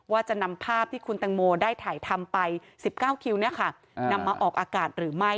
ว่าจะนำภาพตังโมได้ถ่ายทำไป